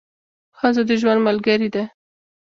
ښځه د ژوند ملګرې ده.